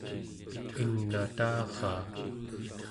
ingnataraa